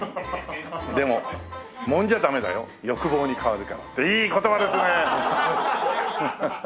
「でももんじゃダメだよ欲望に変わるから」っていい言葉ですね。